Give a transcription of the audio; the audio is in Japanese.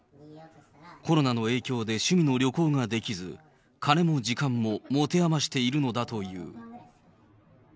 コロナの影響で趣味の旅行ができず、金も時間も持て余しているのだという。